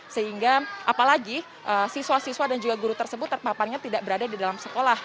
sehingga apalagi siswa siswa dan juga guru tersebut terpaparnya tidak berada di dalam sekolah